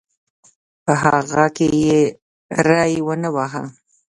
په هغه کې یې ری ونه واهه.